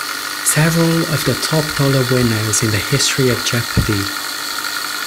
Several of the top dollar winners in the history of Jeopardy!